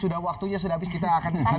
sudah waktunya sudah habis kita akan